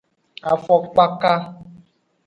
Afokpaka.